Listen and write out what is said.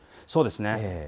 そうですね。